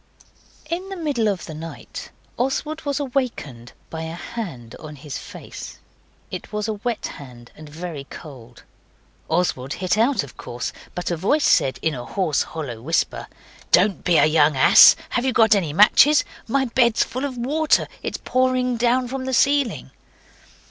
In the middle of the night Oswald was awakened by a hand on his face. It was a wet hand and very cold. Oswald hit out, of course, but a voice said, in a hoarse, hollow whisper 'Don't be a young ass! Have you got any matches? My bed's full of water; it's pouring down from the ceiling.